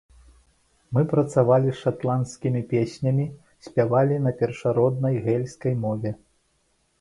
Мы працавалі з шатландскімі песнямі, спявалі на першароднай гэльскай мове.